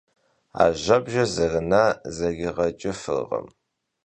Ajjebje zerına zeriğeç'ıfırkhım.